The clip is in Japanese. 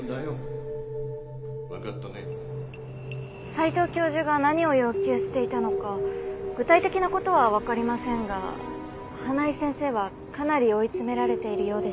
斎藤教授が何を要求していたのか具体的な事はわかりませんが花井先生はかなり追い詰められているようでした。